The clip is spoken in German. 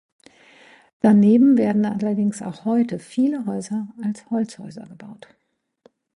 Daneben werden allerdings auch heute viele Häuser als Holzhäuser gebaut.